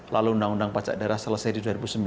lalu undang undang pajak daerah selesai di dua ribu sembilan